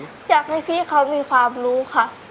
อยากให้พี่เขามีความรู้ค่ะ